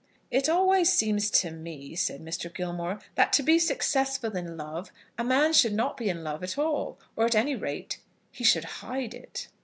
"It always seems to me," said Mr. Gilmore, "that to be successful in love, a man should not be in love at all; or, at any rate, he should hide it."